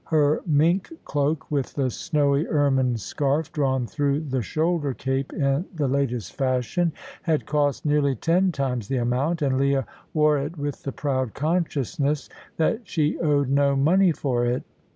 Her mink cloak, with the snowy ermine scarf drawn through the shoulder cape in the latest fashion, had cost nearly ten times the amount, and Leah wore it with the proud consciousness that she owed no money for it.